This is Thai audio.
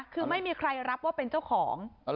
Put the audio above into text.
คือไม่มีใครรับว่าเป็นเจ้าของ